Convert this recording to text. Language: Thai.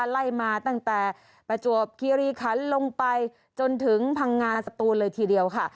ไล่มาตั้งแต่ประจวบคีรีคันลงไปจนถึงพังงาสตูนเลยทีเดียวค่ะ